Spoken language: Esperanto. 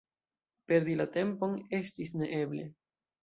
Perdi la tempon estis neeble.